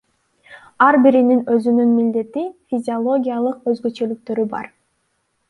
Ар биринин өзүнүн милдети, физиологиялык өзгөчөлүктөрү бар.